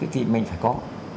thì mình phải có